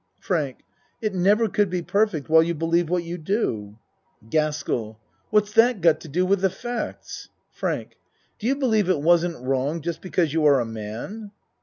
FRANK It never could be perfect while you be lieve what you do. GASKELL What's that got to do with the facts? FRANK Do you believe it wasn't wrong just because you are a man?